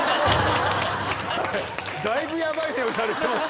だいぶヤバい目をされてます。